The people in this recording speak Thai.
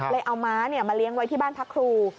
เลยเอาม้ามาเลี้ยงไว้ที่บ้านพักครู